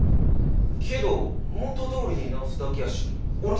けど元どおりに直すだけやしおら